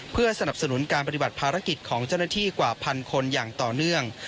เพื่อสนับสนุนการปฏิบัติภารกิจของเจ้าหน้าที่กว่าพันคนอย่างต่อเนื่อง